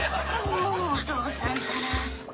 もうお父さんったら。